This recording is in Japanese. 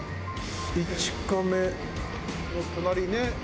１カメの隣ね。